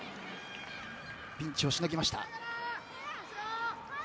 ピンチをしのぎました。